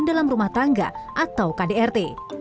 dalam rumah tangga atau kdrt